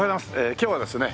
今日はですね